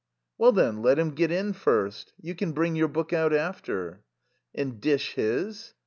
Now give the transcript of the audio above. "Well, then, let him get in first. You can bring your book out after." "And dish his?"